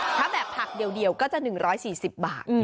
ถ้าแบบผักเดียวก็จะ๑๔๐บาท